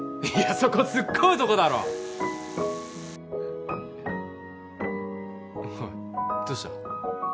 そこツッコむとこだろおいどうした？